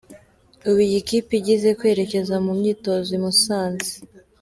Ubu iyi kipe igiye kwerekeza mu myitozo i Musanze.